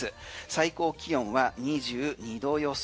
最高気温は２２度予想。